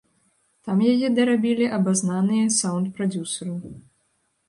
Там яе дарабілі абазнаныя саўнд-прадзюсары.